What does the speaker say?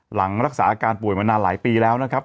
หลังรักษาอาการป่วยมานานหลายปีแล้วนะครับ